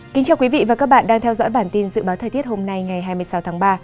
chào mừng quý vị đến với bản tin dự báo thời tiết hôm nay ngày hai mươi sáu tháng ba